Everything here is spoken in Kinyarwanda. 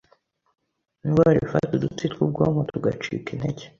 indwara ifata udutsi tw’ubwonko tugacika intege